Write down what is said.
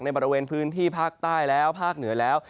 บริเวณพื้นที่ภาคใต้แล้วภาคเหนือแล้ว